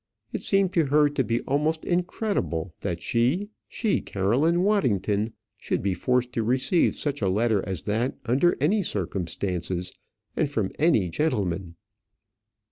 It seemed to her to be almost incredible that she, she, Caroline Waddington, should be forced to receive such a letter as that under any circumstances and from any gentleman.